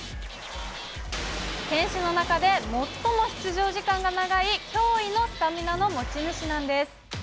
選手の中で最も出場時間が長い驚異のスタミナの持ち主なんです。